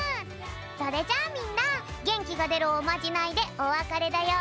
それじゃあみんなげんきがでるおまじないでおわかれだよ！